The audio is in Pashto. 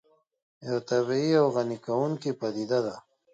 یو طبیعي او غني کوونکې پدیده ده